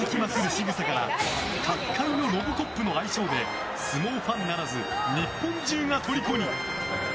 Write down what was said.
しぐさから角界のロボコップの愛称で相撲ファンならず日本中がとりこに。